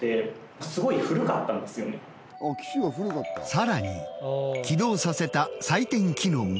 さらに起動させた採点機能も。